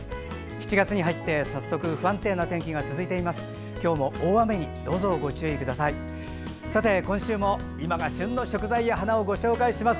７月に入って早速不安定な天気が続いています。